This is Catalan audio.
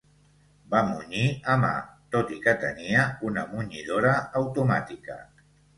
Va munyir a mà, tot i que tenia una munyidora automàtica.